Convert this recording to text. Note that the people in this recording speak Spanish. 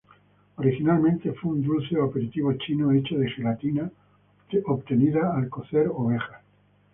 Originalmente fue un dulce o aperitivo chino hecho de gelatina obtenida al cocer ovejas.